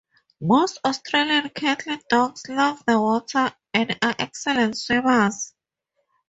Most Australian Cattle Dogs love the water and are excellent swimmers.